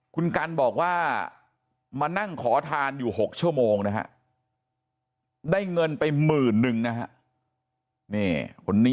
คุณกันบอกว่ามานั่งขอทานอยู่๖ชั่วโมงนะฮะได้เงินไปหมื่นนึงนะฮะ